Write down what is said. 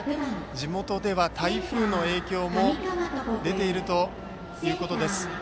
地元では台風の影響も出ているということです。